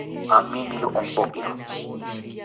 Aminiro ompokiro